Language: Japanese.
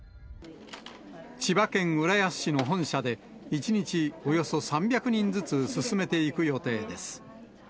千葉県浦安市の本社で、１日およそ３００人ずつ進めていく予定です。